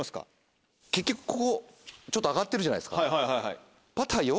結局ここちょっと上がってるじゃないですか。